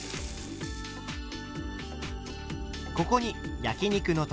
ここに焼き肉のたれ